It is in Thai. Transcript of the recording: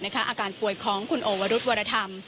อาการป่วยของคุณโอวรุธวรธรรม